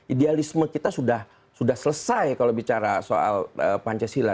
idealisme kita sudah selesai kalau bicara soal pancasila